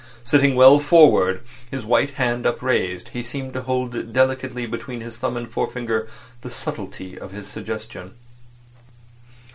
Sitting well forward, his white hand upraised, he seemed to hold delicately between his thumb and forefinger the subtlety of his suggestion.